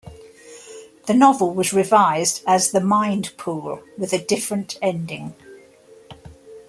The novel was revised as "The Mind Pool" with a different ending.